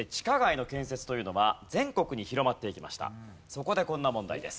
そこでこんな問題です。